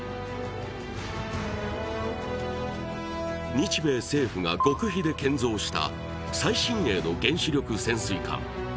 日米政府が極秘で建造した最新鋭の原子力潜水艦。